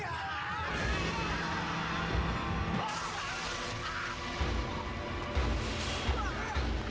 bape enggak apa apa